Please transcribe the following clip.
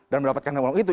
dan mendapatkan uang itu